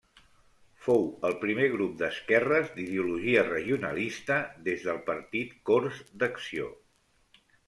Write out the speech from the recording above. Fou el primer grup d'esquerres d'ideologia regionalista des del Partit Cors d'Acció.